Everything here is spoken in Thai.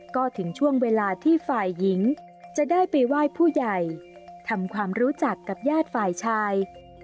ก็ถึงช่วงเวลาที่ฝ่ายหญิงจะได้ไปไหว้ผู้ใหญ่ทำความรู้จักกับญาติฝ่ายชาย